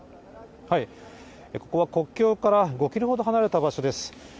ここは国境から５キロほど離れた場所です。